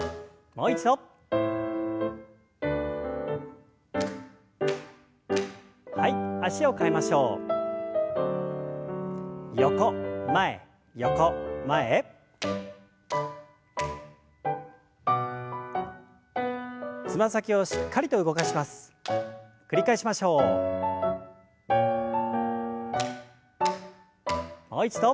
もう一度。